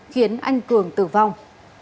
khiến anh cường tử vong